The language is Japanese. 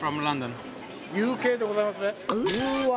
ＵＫでございますね。